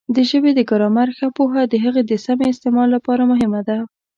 د ژبې د ګرامر ښه پوهه د هغې د سمې استعمال لپاره مهمه ده.